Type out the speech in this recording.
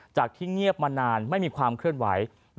ที่เงียบมานานไม่มีความเคลื่อนไหว